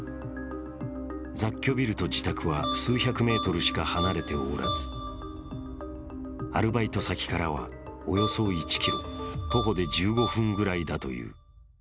雑居ビルと自宅は数百メートルしか離れておらず、アルバイト先からはおよそ１ｋｍ、徒歩で１５分ぐらいだという。